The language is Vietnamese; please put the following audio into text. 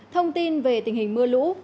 thông tin về tình hình mưa lũ